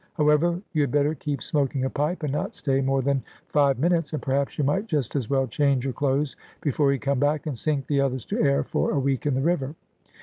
However, you had better keep smoking a pipe, and not stay more than five minutes; and perhaps you might just as well change your clothes before you come back, and sink the others to air for a week in the river."